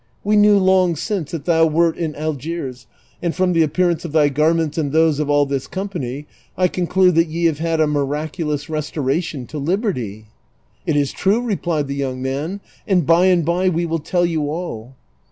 We knew long since that thou Avert in Algiers, and from the aijpearance of thy garments and those of all this com2)any, I conclude that ye have had a miraculous restoration to liberty." " It is true,"' replied the young man, " and by and by we will tell you all."